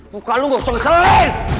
muka lo gak usah ngecelerain